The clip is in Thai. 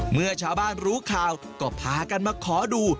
เมื่อชาวบ้านรู้ข่าวก็พากันมาขอดู